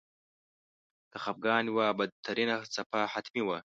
د خپګان یوه بدترینه څپه حتمي وه.